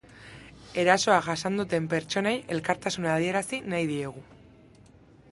Erasoa jasan duten pertsonei elkartasuna adierazi nahi diegu.